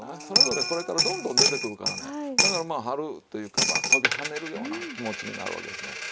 それぞれこれからどんどん出てくるからねだからまあ春というか飛び跳ねるような気持ちになるわけですね。